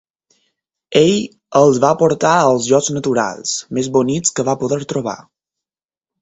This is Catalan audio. Ell els va portar als llocs naturals més bonics que va poder trobar.